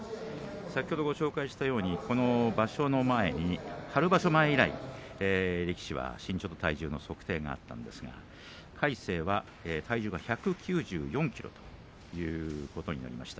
先ほどご紹介したように場所の前に春場所前以来力士は身長と体重の測定があったんですが魁聖が体重が１９４ｋｇということになりました。